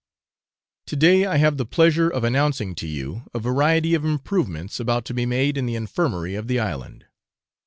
To day, I have the pleasure of announcing to you a variety of improvements about to be made in the infirmary of the island.